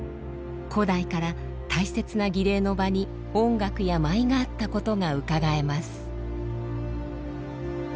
古代から大切な儀礼の場に音楽や舞があったことがうかがえます。